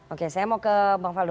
oke saya mau ke bang faldo